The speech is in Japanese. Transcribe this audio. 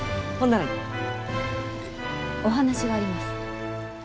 お話があります。